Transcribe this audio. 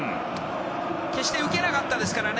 決して受けなかったですからね。